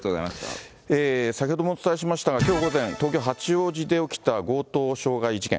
先ほどもお伝えしましたが、きょう午前、東京・八王子で起きた強盗傷害事件。